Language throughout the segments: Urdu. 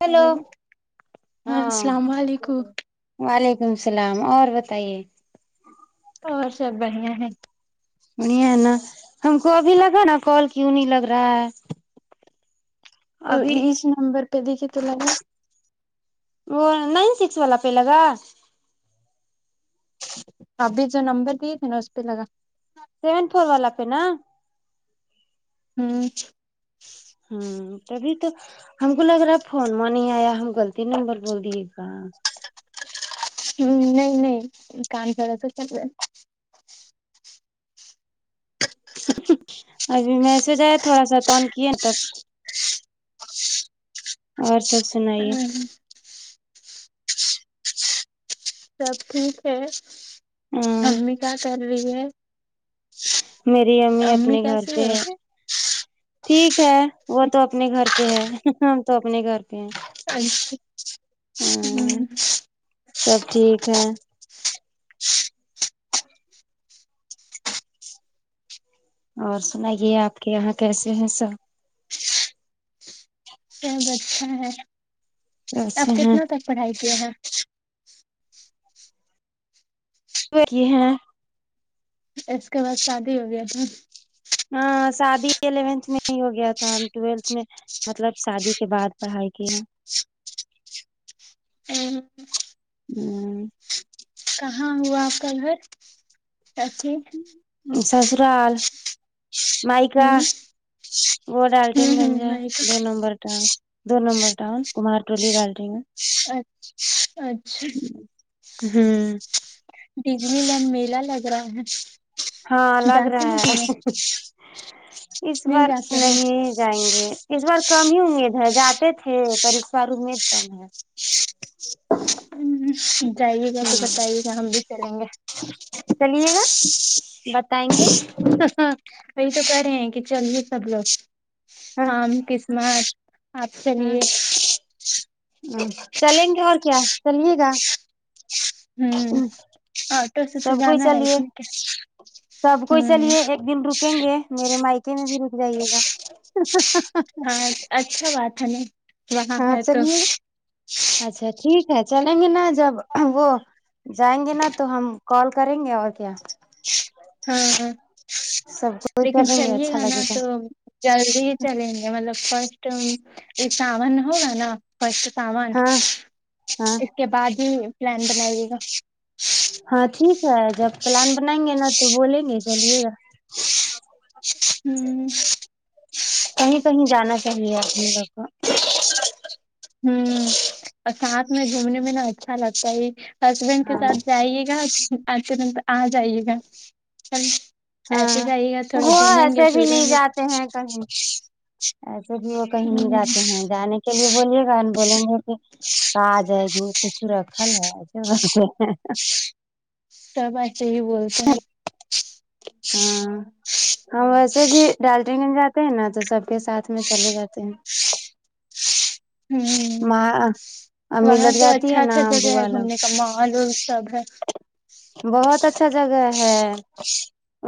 ہیلو ہاں السلام علیکم وعلیکم السلام اور بتائیے اور سب بڑھیا ہے ہو نی ہے نہ ہم کو ابھی لگا نا کال کیوں نہیں لگ رہا ہے وہ ابھی یہچ نمبر پہ دیکھی تو لگے [unintelligible] وہ نائن سکس والا پہ لگا ابھی جو نمبر دیے تھے نا اس پہ لگا سیون فور والا پہ نا ہم ہم تبھی تو ہم کو لگ رہا فون ما نہیں ایا ہم غلط نمبر بول دیے گا ہم ہم نہیں نہیں کم چڑا [unintelligible] ابھی میسج ایا تھوڑا سا تون کیے تب اور سب سنائیے ہے سب ٹھیک ہے ہوں امی کیا کر رہی ہے میری امی اپنے گھر پہ ہے ٹھیک ہے وہ تو اپنے گھر پہ ہے ہم تو اپنے گھر پہ ہے اچھا ہم ہم اور سنائیے اپ کے یہاں کیسے ہیں سب سب اچھا ہے اچھے اپ ہیں کتنا تک پڑھائی کیے ہیں [unintelligible] اس کے بعد شادی ہو گیا تھا ہاں شادی الیونت میں ہی ہو گیا تھا ہم طویلۃ میں مطلب شادی کے بعد پڑھائی کی ہے تھا ہم کہاں ہوا اپ کا گھر ابھی سسرال مائکا ہوں وہ ڈالٹین ہوں گنج ہوں ہے میں دو نمبر کا دو نمبر دال کمار ٹولی لٹری میں اچھ اچھ ہم ڈجنی لین میلہ لگ رہا ہے ہاں لگ جاتے رہا ہیں ہے کہ نہیں ہ اس نہیں بار جاتے نہیں جائیں گے اس بار کم ہی امید ہے جاتے تھے پر اس بار امید کم ہے ہ جائیے گا تو بتائیے گا ہم بھی چلیں گے چلیے گا بتائیں گے ہ ہ وہی تو کہہ رہے ہیں کہ چلیے سب لوگ ہم قسمت آپ ہ چلیے ہ چلیں گے اور کیا چلیے گا ہوں آٹو سے تو سب کوئی جانا ہے چلیے تو کہ سب کوئی چلیے ایک دن رک رکیں گے میرے مائکے میں بھی رک جائیے گا ہ ہ ہ ہاں اچھا بات ہے ن ہاں چلیے اچھا ٹھیک ہے چلیں گے نا جب وہ جائیں گے نا تو ہم کال کریں گے اور کیا ہاں سب کوئی لیکن کریں گے چلیے اچھا گا نا لگے تو جلدی ہی چلیں گے مطلب فرسٹ یہ سامن ہوگا نا فسٹ سامان ہاں اس ہاں کے بعد ہی پلان بنائیے گا ہاں ٹھیک ہے جب پلان بنائیں گے نا تو بولیں گے چلیے گا ہوں کہیں کہیں جانا چاہیے اپنے لوگ کو ہوں اور ساتھ میں گھومنے میں نا اچھا لگتا ہی ہسبینڈ کے ساتھ ہاں جائیے گا آج کے دن پے آ جائیے گا چل ایسے ہاں جائیے گا تھوڑا وہ گھومیں گے ایسے بھی پھریں نہیں گے جاتے ہیں کہیں ایسے بھی وہ کہیں نہیں ہ جاتے ہیں جانے کے لیے بولیے گا بولیں گے کہ کا جائے گی کچھ رکھن ہے ایسے سب ایسے ہی بولتے ہیں ہاں ویسے بھی ڈالجلنگ جاتے ہیں نا تو سب کے ساتھ میں چلے جاتے ہیں ہوں ماں امی وہاں لوگ تو جاتی اچھا ہے نا اچھا جگہ ہے بوا گھومنے لوگ تم ماحول سب ہے بہت اچھا جگہ ہے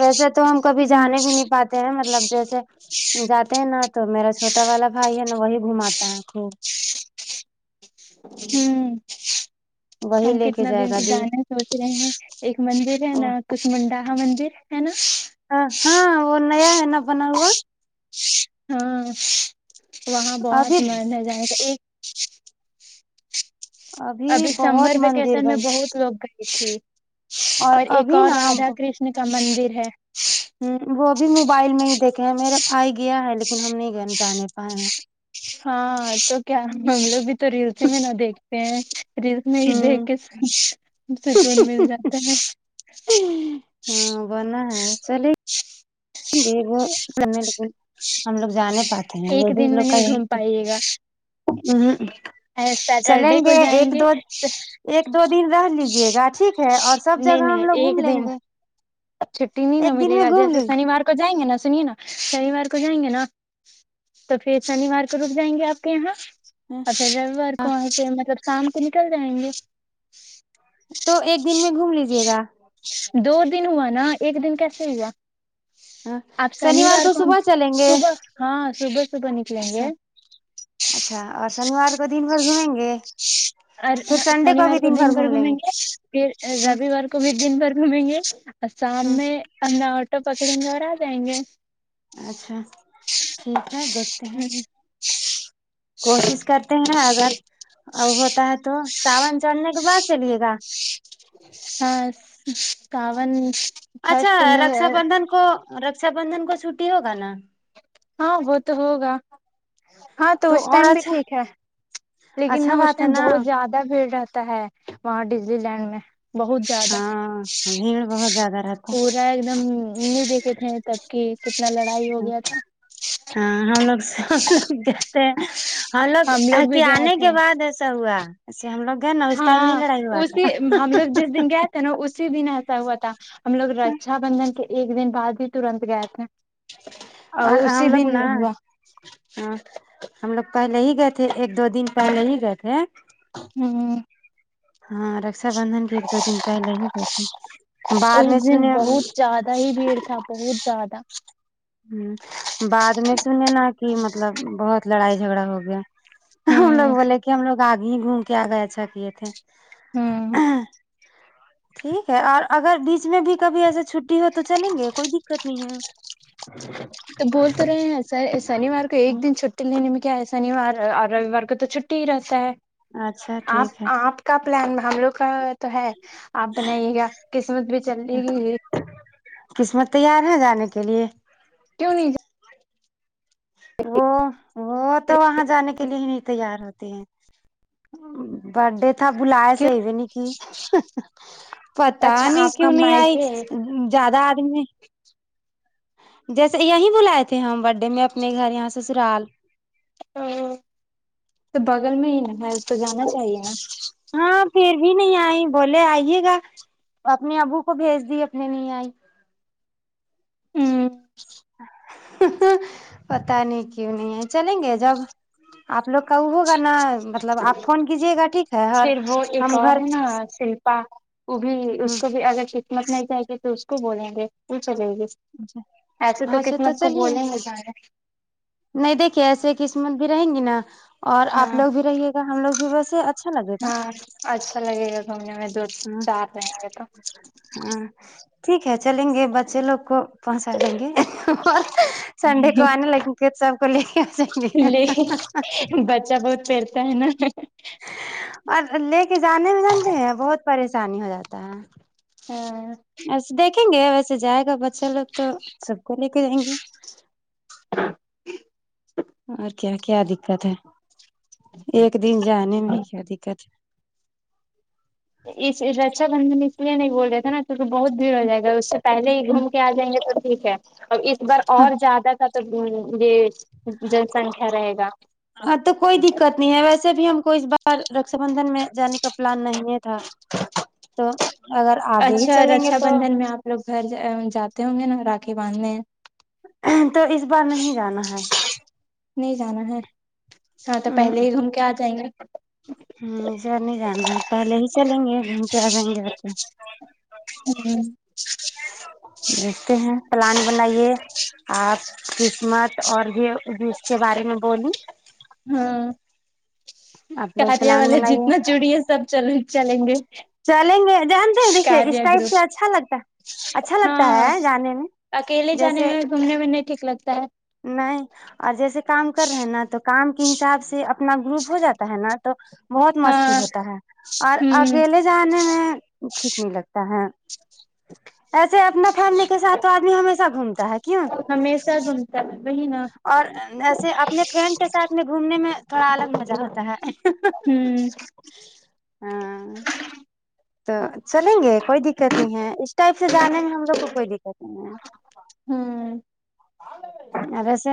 ویسے تو ہم کبھی ہ جانے بھی نہیں پات ے ہیں مطلب جیسے جاتے ہیں نا تو میرا چھوٹا والا بھائی ہے نا وہی گھوماتا ہے خوب ہ وہی ہم لے کے کتنا جائے دن گا سے دی جانے سوچ ایک مندر ہے نا کثمنڈاہا مندر ہے نا آ ہاں وہ نیا ہے نا بنا ہوا ہاں وہاں بہت ابھی من ہے جا نے کا ایک ابھی سمر بہت مندر ویکیشن بن میں بہت لوگ گئے تھی اور ایک ابھی اور نا را دھا کرشن کا مندر ہے ہ وہ بھی موبائل میں ہی دیکھے ہیں میرا بھائی گیا ہے لیکن ہم نہیں گئے جانے پاۓ ہاں تو کیا ہم لوگ بھی تو ریلسی میں نہ دیکھتے ہیں ریلس میں ہی دیکھ ہوں کے سکون مل جاتا ہے ہاں بنا ہے چلیے گے وہ س لیکن ہم لوگ جانے پاتے ہیں ایک لیڈیز دن میں لوگ کا نہیں یہی گھوم تو پائیے گا ہ چلیں سیٹرڈے کو گے ایک جائیں دو ایک دو دن رہ لیجے گا ٹھیک ہے اور سب نہیں جگہ ہم نہیں لوگ گھوم ایک لیں دن گے چھٹی نہیں نا ایک دن ملے میں گا گھوم جیسے لیں شنیوار کو جائیں گے نا سنیے نا شنیوار کو جائیں گے نا تو پھر شنیوار کو رک جائیں گے آپ کے یہاں ہوں [unintelligible] اچھا روی وار کو وہاں سے مطلب شام کو نکل جائیں گے تو ایک دن میں گھوم لیجیے گا دو دن ہوا نا ایک دن کیسے ہوا ہاں آپ شنیوار کو ہم صبح چلیں گے صبح ہاں صبح صبح نکلیں گے اچھا اچھا اور شنیوار کو دن بھر گھومیں گے اور پھر سنڈے شنیوار بھی کو دن بھر گھوم لیں گھومیں گے پھر ہ رویوار کو بھی دن بھر گھومیں گے اور شام ہ میں اپنا آٹو پکڑیں گے اور آ جائیں گے اچھا ٹھیک ہے دیکھتے ہیں کوشش کرتے ہیں اگر ا ہوتا ہے تو ساون چڑھنے کے بعد چلیے گا ہاں کاون اچھا رکشا بندھن کو رکشا بندھن کو چھٹی ہوگا نا ہاں وہ تو ہوگا ہاں تو اس اور ٹائم بھی اچھا ٹھیک ہے لیکن نہ اچھا اس بات میں ہے نا بہت زیادہ بھیڑ رہتا ہے وہاں ڈزنی لینڈ میں بہت زیادہ ہاں بھیڑ بہت زیادہ رہتا ہے پورا ایک دم نہیں دیکھے تھے تب کہ کتنا لڑائی ہو گیا تھا ہاں ہم لوگ س کہتے ہیں ہم لوگ بھی کہ گئے آنے کے تھے بعد ایسا ہوا ایسے ہم لوگ گئے نا اس ٹائم نہیں ہاں لڑائی ہوا اسی تھا ہم لوگ جس دن گئے نا اسی دن ایسا ہوا تھا ہم لوگ رکشا بندھن کے ایک دن بعد ہی ترنت گئے تھے اور اسی دن ہوا ہاں ہم لوگ پہلے ہی گئے تھے ایک دو دن پہلے ہی گئے تھے ہمم ہاں رکشا بندندھن کے ایک دو دن پہلے ہی ب تھے بعد اس میں دن سنے بہت زیادہ ہی بھیڑ تھا بہت زیادہ ہمم بعد میں سنے نا کہ مطلب بہت لڑائی جھگڑا ہو گیا ہم ہوں لوگ بولے کہ ہم لوگ آگے ہی گھوم کے آگے اچھا کیے تھے ہوں ٹھیک ہے اور اگر بیچ میں بھی کبھی ایسے چھٹی ہو تو چلیں گے کوئی دقت نہیں ہے تو بول تو رہے ہیں شنیوار کو ایک دن چھٹی لینے میں کیا ہے شنیوار اور رویوار کو تو چ ٹی ہی رہتا ہے اچھا ٹھیک ہے آپ آپ کا پلان ہم لوگ کا تو ہے آپ بنائیے گا قسمت بھی چلے گی یہ قسمت تیار ہے جانے کے لیے کیوں نہیںیے وی وہ تو وہاں جانے کے لیے ہی نہیں تیار ہوتے ہیں برڈے تھا بلا کیوں سی بھی نہیں کہ پتا اچھا نہیں آپ کا کیوں نہیں آئی مائکے ہے زیادہ آدمی ہیں جیسے یہیں بلائے تھے ہم برھ ڈے میں اپنے گھر یہاں سے سرال تو تو بغل میں ہی نا ہے اس کو جانا چاہیے نا ہاں پھر بھی نہیں آئی بولے آئیے گا اپنے ابو کو بھیج دی اپنے نہیں آئی ہ پتا نہیں کیوں نہیں ہے چلیں گے جب آپ لوگ کا وہ ہوگا نا مطلب آپ فون کیجیے گا ٹھیک ہے اور پھر وہ ایک ہم اور گھر ہے نا شلپا وہ بھی اس کو بھی اگر مت نہیں چایگے تو اس کو بولیں گے وہ چلے گی ایسے تو اچھا قتمت کو چلیے بولیں گے جارے نہیں دیکھیے ایسے قسمت بھی رہیں گی نا اور آپ ہاں لوگ بھی رہیے ہم لگ بھی بس ہاں اچھا لگے گا گھومنے میں دور ہاں ہاں ٹھیک ہے چلیں گے بچے لوگ کو پہنچا دیں گے اور سنڈے کو تو آنے لگ گ صاحب کو لے کے آ جائیں گے لیکن بچہ بہت پیرتا ہے نا اور لے کے جانے میں جانتے ہیں بہت پریشانی ہو جاتا ہے ہاں ایسے دیک دیکھیں گے ویسے جائے گا بچہ لوگ تو سب کو لے کے جائیں گے [inaudible] اور کیا کیا دقت ہے ایک دن جانے میں ہی کیا دقت ہے اس رکجھا بندھن اس لیے نہیں بول رہے تھے نا کیکہ بہت بھیڑ ہو ہے جائے گا اس سے پہلے ہی گھوم کے آ جائیں گے تو ٹھیک ہے اور اس بار ہاں اور زیادہ یہ جن سنکھیا رہے گا ہاں تو کوئی دقت نہیں ہے ویسے بھی ہم کو اس بار رکشا بندھن میں جانے کا پلان نہیں ہے تھا تو اگر آگے ہی اچھا چلیں گے رکشا تو بندھن میں آپ لوگ گھر جاتے ہوں گے نا راکھی باندھنے ہیں تو اس بار نہیں جانا ہے نہیں جانا ہے ہاں تو ہے پہلے ہی گھوم کے آ جائیں گے ا سر نہیں جانا پہلے ہی چلیں گے کے آ جائیں گے بچے ہوں دیھکتے ہیں پلان بنائیے آپ قسمت اور بھی جو اس کے بارے میں بول ہاں آپ لوگ کاریا پلان والے بنائیے جتنا چڑی ہے سب چل چلیں گے چلیں گے جانتے ہیں دیکھیے اس کاریا ٹائپ سے گروپ اچھا لگتا اچھا لگتا ہاں ہے جانے میں اکیلے جانے جیسے میں گھومنے میں نہیں ٹھیک لگتا ہے نہیں اور جیسے کام کر رہے ہیں نا تو کام کے حساب سے اپنا گروپ ہو جاتا ہے نا تو بہت مستی ہاں ہوتا ہے اور ہوں اکیلے جانے میں ٹھیک نہیں لگتا ہے ایسے اپنا فیملی کے ساتھ تو آدمی ہمیشہ گھومتا ہے کیوں ہمیشہ گھم [unintelligible] اور اییسے اپنے فرینڈ کے ساتھ میں گھومنے میں تھوڑا الگ مزہ ہوتا ہے ہوں ہاں تو چلیں گے کوئی دقت نہیں ہے اس ٹائپ سے جانے میں ہم لوگ کو کوئی دقت نہیں ہے ہوں اور ویسے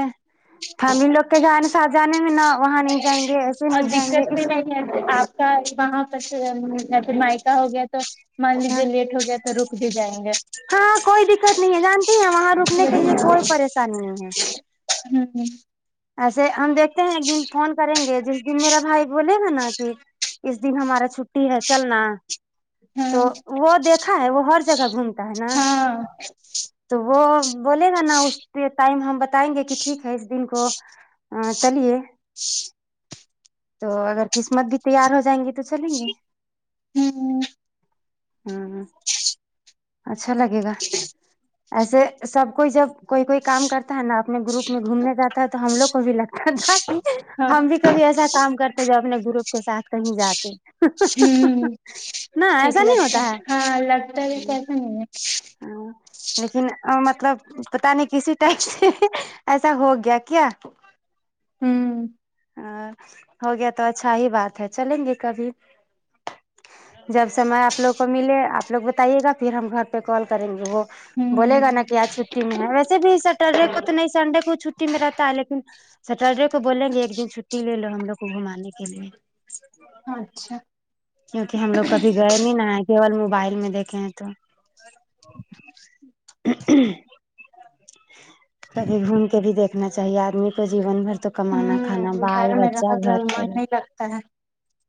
فیملی لوگ کے جانے سات جانے میں نہ وہاں نہیں جائیں گے ایسے اور نہیں جائیں دقت گے بھی اس طرح نہیں ہے آپ کا وہاں پ پھر مائیکا ہو گیا تو مان لیجیے لیٹ ہو گیا تو رک ک بھی جائیں گے ہاں کوئی دقت نہیں ہے جانتی ہیں وہاں رکنے کے لیے کوئی پریشانی نہیں ہے ہوں ہ ایسے ہم دیکھتے ہیں ایک دن فون کریں گے جس دن میرا بھائی بولے گا نا کہ اس دن ہمارا چھٹی ہے چلنا ہاں تو وہ دیکھا ہے وہ ہر جگہ گھوم ہے نہ ہاں تو وہ بولے گا نا اس ٹائم ہم بتائیں گے کہ ٹھیک ہے اس دن کو ہاں چلیے تو اگر قسمت بھی تیار ہو جائیں گی تو چلیں گے ہوں ہاں اچھا لگے گا ایسے سب کوئی جب کوئی کوئی کام کرتا ہے نا اپنے گروپ میں گھومنے جاتا تھا تو ہم لوگ کو بھی لگتا تھا کہ ہاں ہم بھی کبھی ایسا کام کرتے جو اپنے گروپ کے ساتھ کہیں جاتے ہ نہ ٹھیک ایسا نہیں لگتا ہوتا ہے ہاں لگتا ہے ا کیاسا نہیں ہے [inaudible] لیکن اب مطلب پتا نہیں کسی ٹائپ سے ایسا ہو گیا کیا ہمم آں ہو گیا تو اچھا ہی بات ہے چلیں گے کبھی جب سے میں آپ لوگ کو ملی آپ لوگ بتائیے گا پھر ہم گھر پہ کال کریں گے وہ بولے ہوں گا نا کہ آج چھٹ میں ہے ویسے بھی سیٹرڈے کو تو نہیں سنڈے کو چھٹی میں رہتا ہے لیکن سٹرڈے کو بولیں گے ایک دن چھٹی لے لو ہم لوگ کو گھمانے کے لیے اچھا کیونکی ہم لوگ کبھی گئے نہیں نا آئے کیول موبائل میں دیکھے ہیں تو کبھی گھوم کے بھی دیکھنا چاہیے آدمی کو جیون بھر تو کمانا ہوں کھانا بال گھر میں بچہ رہ رہ گھر من پر نہیں لگتا ہے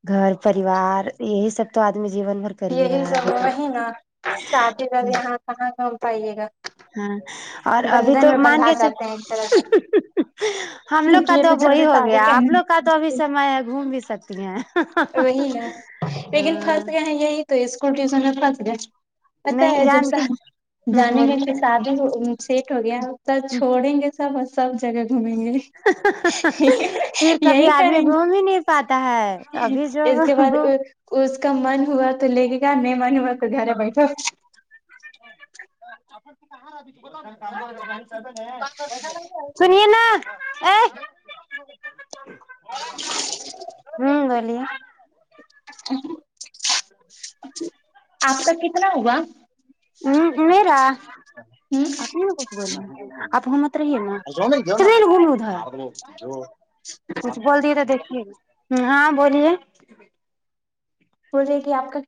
گھر پریوار یہی سب تو آدمی جیون بھر کر ہی یہی رہا ہے سب لیکن وہی نا شادی گھر یہاں کہاں پائیے گا ہاں اور ابھی بندھن تو میں مان بندھا گئے چ جاتے ہیں ایک طرح سے ہم لوگ اس کا لیے تو جلدی وہی ہو شادی گیا آپ لوگ کا تو ابھی کرنے سمجھ میں گھوم بھی سکتی ہیں وہی نا لیکن ہاں پھنس گئے ہیں یہی تو اسکول ٹیوشن میں پہس گئے پتا نہیں ہے جب سے جانتی ہوں جانے بول گے شادی سیٹ ہو گیا سب چھوڑیں گے سب اور سب جگہ گھوم پھر کبھی آدمی کریں گے گھوم ہی نہیں پاتا ہے ابھی جو اس کے بعد گھوم اوں اس کا من ہوا تو لے کے گیا نہیں من ہوا تو گھر میں بیٹھو [unintelligible] سنیے نا اےہ ہم بولیے آپ کا کتنا ہوا ہم میرا ہ ابھی روکو اب ہم اتریں گی نہ ترین [unintelligible] [inaudible] کچھ بول دیے تو دیکھیے ہاں بولیے بول رہے کی آپ کا